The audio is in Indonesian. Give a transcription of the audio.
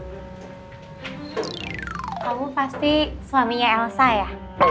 kamu pasti suaminya elsa ya